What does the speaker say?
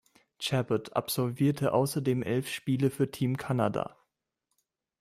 Chabot absolvierte außerdem elf Spiele für Team Canada.